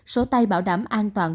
số tay bảo đảm an toàn